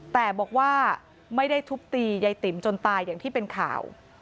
แต่บอกว่าไม่ได้ทุบตียายติ๋มจนตายอย่างที่เป็นข่าว